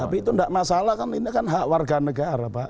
tapi itu tidak masalah kan ini kan hak warga negara pak